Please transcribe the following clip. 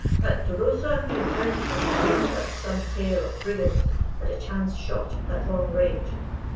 At Tolosa he accounted for his wound by some tale of brigands and a chance shot at long range.